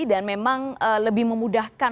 dan memang lebih memudahkan